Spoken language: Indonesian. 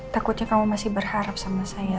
takutnya kamu masih berharap sama saya